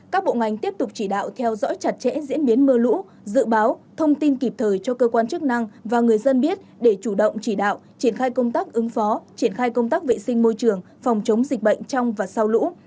các bộ ngành tiếp tục chỉ đạo theo dõi chặt chẽ diễn biến mưa lũ dự báo thông tin kịp thời cho cơ quan chức năng và người dân biết để chủ động chỉ đạo triển khai công tác ứng phó triển khai công tác vệ sinh môi trường phòng chống dịch bệnh trong và sau lũ